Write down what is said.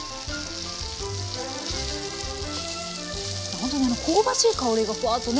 ほんとにあの香ばしい香りがふわっとね